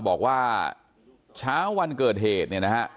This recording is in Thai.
บอกว่าเช้าวันเกิดเหตุเนี่ยนะฮะ